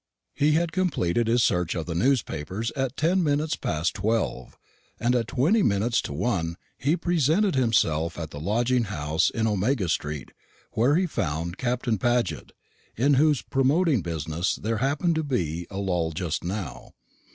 He had completed his search of the newspapers at ten minutes past twelve, and at twenty minutes to one he presented himself at the lodging house in Omega street, where he found Captain Paget, in whose "promoting" business there happened to be a lull just now.